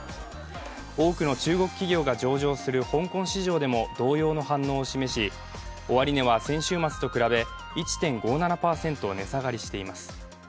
多くの中国企業が上場する香港市場でも同様の反応を示し終値は先週末と比べ１．５７％値下がりしています。